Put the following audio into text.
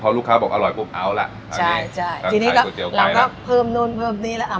พอลูกค้าบอกอร่อยปุ๊บเอาล่ะใช่ใช่ทีนี้ก็ก๋วเราก็เพิ่มนู่นเพิ่มนี่แล้วอ่า